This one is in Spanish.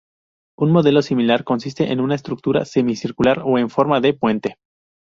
Un modelo similar consiste en una estructura semicircular o en forma de puente.